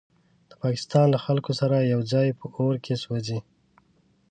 د پاکستان له خلکو سره یوځای په اور کې سوځي.